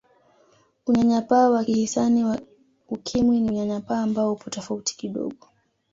Unyanyapaa wa kihisani wa Ukimwi ni Unyanyapaa ambao upo tofauti kidogo